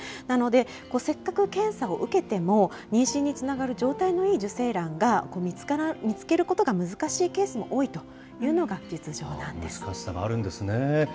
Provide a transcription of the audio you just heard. なので、せっかく検査を受けても、妊娠につながる状態のいい受精卵が見つけることが難しいケースも難しさがあるんですね。